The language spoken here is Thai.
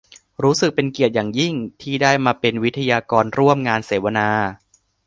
รู้สึกเป็นเกียรติอย่างยิ่ง ที่ได้มาเป็นวิทยากรร่วมงานเสาวนา